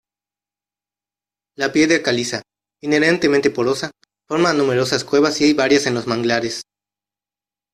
La piedra caliza, inherentemente porosa, forma numerosas cuevas y hay varias en los manglares.